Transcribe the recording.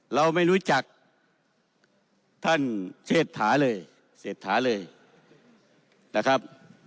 เราไม่รู้จักท่านเชษฐาเลยเศรษฐาเลยนะครับ